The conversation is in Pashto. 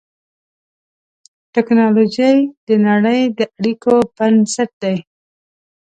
ټکنالوجي د نړۍ د اړیکو بنسټ دی.